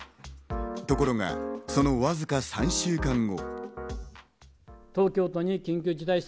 ところが、そのわずか３週間後。